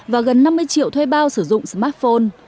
và gần năm mươi triệu thuê bao sử dụng smartphone